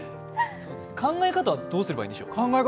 考え方はどうすればいいんでしょう？